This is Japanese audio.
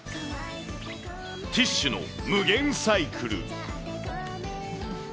ティッシュの無限サイクル。